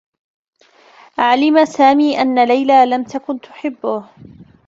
علم سامي أنّ ليلى لم تكن تحبّه.